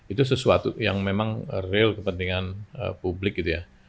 itu sesuatu yang memang real kepentingan publik gitu ya